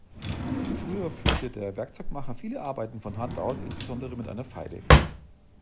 Früher führte der Werkzeugmacher viele Arbeiten von Hand aus, insbesondere mit einer Feile.